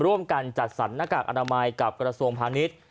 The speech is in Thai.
ร่วมกันจัดสรรหน้ากากอนามัยกับกระทรวงพาณิชย์